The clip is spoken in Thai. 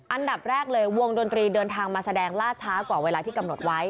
อันดับแรกเลยวงดนตรีเดินทางมาแสดงล่าช้ากว่าเวลาที่กำหนดไว้